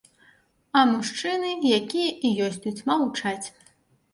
А мужчыны, якія і ёсць тут, маўчаць.